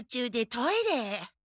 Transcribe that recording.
トイレ？